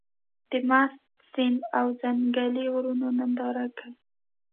د مست سيند او ځنګلي غرونو ننداره کوې.